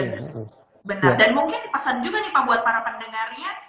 benar dan mungkin pesan juga nih pak buat para pendengarnya